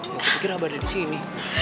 ya gue pikir abah ada disini